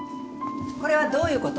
これはどういう事？